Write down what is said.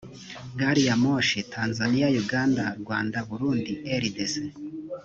gari ya moshi tanzaniya uganda rwanda burundi rdc